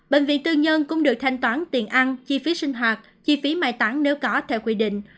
bệnh viện tư nhân cũng được thanh toán tiền ăn chi phí sinh hoạt chi phí mai táng nếu có theo quy định